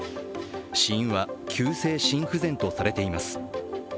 死因は急性心不全とされています。